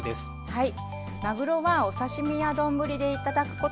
はい。